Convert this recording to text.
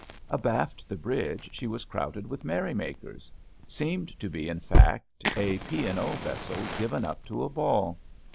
Abaft the bridge she was crowded with merrymakers — seemed to be, in fact, a P. & O. vessel given up to a ball.